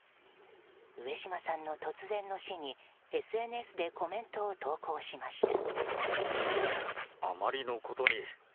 上島さんの突然の死にＳＮＳでコメントを投稿しました。